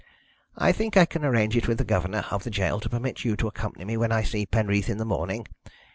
I think I can arrange it with the governor of the gaol to permit you to accompany me when I see Penreath in the morning.